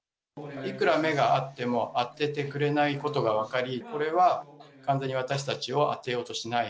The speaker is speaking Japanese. いくら目が合っても、当ててくれないことが分かり、これは完全に私たちを当てようとしない。